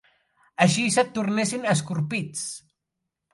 Així se't tornessin escorpits!